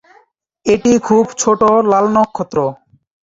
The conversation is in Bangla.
এটি খুব ছোটো লাল নক্ষত্র।